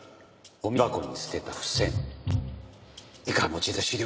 ゴミ箱に捨てた付箋。